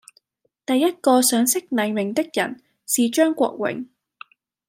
第一個賞識黎明的人是張國榮。